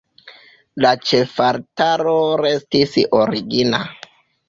La ĉefaltaro restis origina.